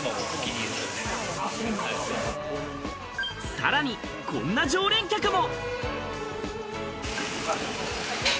さらにこんな常連客も。